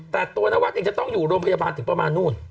แต่ตัวนวัดเองจะต้องอยู่โรงพยาบาลถึงประมาณนู่น